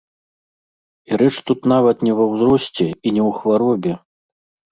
І рэч тут нават не ва ўзросце і не ў хваробе.